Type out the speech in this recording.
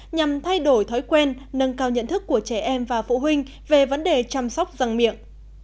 nhằm thay đổi thói quen nâng cao nhận thức của trẻ em và phụ huynh về vấn đề chăm sóc răng miệng